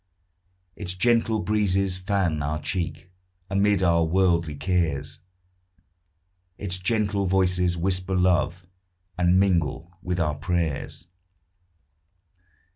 Its gentle breezes fan our cheek; Amid our worldly cares Its gentle voices whisper love, And mingle with our prayers.